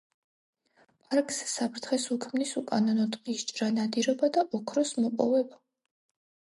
პარკს საფრთხეს უქმნის უკანონო ტყის ჭრა, ნადირობა და ოქროს მოპოვება.